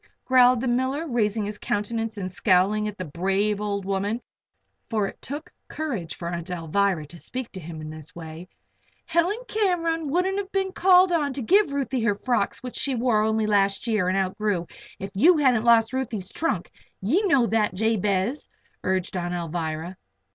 growled the miller, raising his countenance and scowling at the brave old woman for it took courage for Aunt Alvirah to speak to him in this way. "Helen Cam'ron wouldn't have been called on to give Ruthie her frocks which she only wore last year, and outgrew, if you hadn't lost Ruthie's trunk. Ye know that, Jabez," urged Aunt Alvirah.